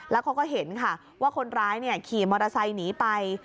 แล้วเขาก็เห็นค่ะว่าคนร้ายขี่มอเตอร์ไซค์หนีไป